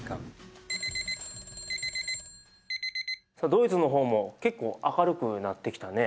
ドイツの方も結構明るくなってきたね。